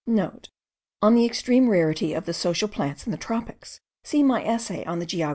*(* On the extreme rarity of the social plants in the tropics, see my Essay on the Geog.